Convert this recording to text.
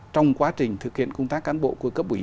trong quá trình thực hiện công tác cán bộ của cấp ủy